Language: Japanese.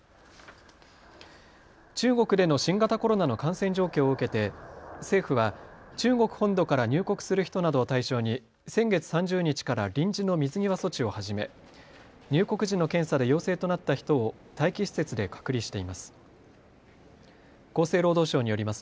中国での新型コロナの感染状況を受けて政府は中国本土から入国する人などを対象に先月３０日から臨時の水際措置を始め入国時の検査で陽性となった人を待機施設で隔離しています。